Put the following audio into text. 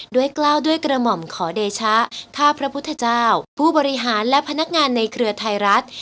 กล้าวด้วยกระหม่อมขอเดชะข้าพระพุทธเจ้าผู้บริหารและพนักงานในเครือไทยรัฐ